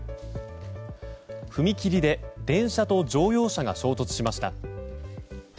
踏切で電車と乗用車が衝突しました。